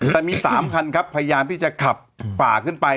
แต่มี๓คันครับพยายามที่จะขับฝ่าขึ้นไป